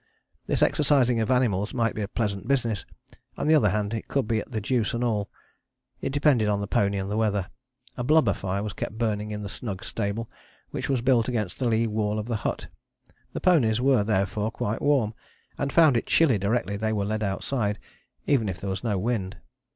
This exercising of animals might be a pleasant business, on the other hand it could be the deuce and all: it depended on the pony and the weather. A blubber fire was kept burning in the snug stable, which was built against the lee wall of the hut: the ponies were, therefore, quite warm, and found it chilly directly they were led outside, even if there was no wind.